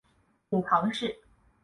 母庞氏。